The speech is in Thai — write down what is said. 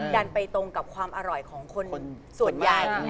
ดันไปตรงกับความอร่อยของคนส่วนใหญ่